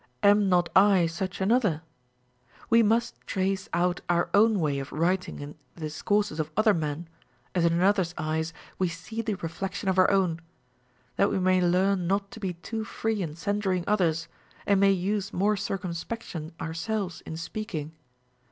Am not I such another ? ΛΥο must trace out our own way of Avriting in the discourses of other men, as in another's eyes we see the reflection of our own ; that we may learn not to be too free in censuring others, and may use more circumspection ourselves in speaking.